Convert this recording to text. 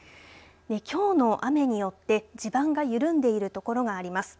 きょうの雨によって地盤が緩んでいるところがあります。